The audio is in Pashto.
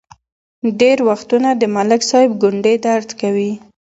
ډېر وختونه د ملک صاحب ګونډې درد کوي.